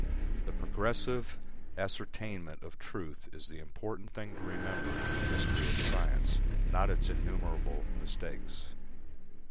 The progressive ascertainment of truth is the important thing to remember in the history of science, not its innumerable mistakes.